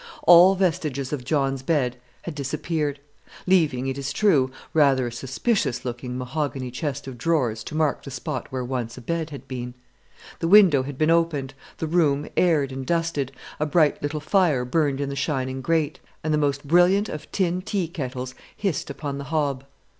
All vestiges of John's bed had disappeared; leaving, it is true, rather a suspicious looking mahogany chest of drawers to mark the spot where once a bed had been. The window had been opened, the room aired and dusted, a bright little fire burned in the shining grate, and the most brilliant of tin tea kettles hissed upon the hob.